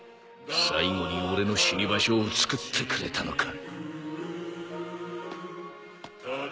最後に俺の死に場所をつくってくれたのか。